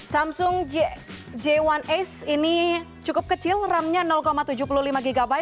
samsung j satu ace ini cukup kecil ram nya tujuh puluh lima gb